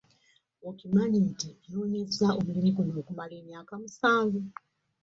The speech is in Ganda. Okimanyi nti nonyeza omulimu guno okumala emyaka musanvu.